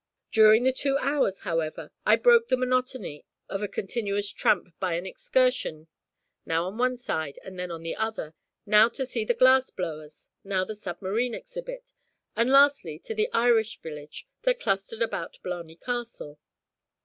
During the two hours, however, I broke the monotony of a continuous tramp by an excursion, now on one side and then on the other; now to see the glass blowers; now the submarine exhibit; and, lastly, to the Irish village that clustered about Blarney Castle.